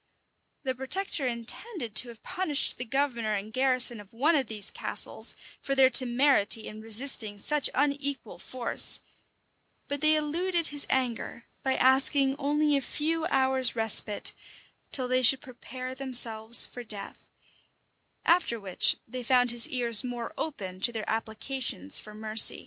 The protector intended to have punished the governor and garrison of one of these castles for their temerity in resisting such unequal force: but they eluded his anger by asking only a few hours' respite, till they should prepare themselves for death; after which they found his ears more open to their applications for mercy.